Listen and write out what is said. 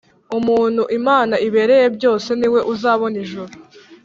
Umuntu imana ibereye byose niwe uzabona ijuru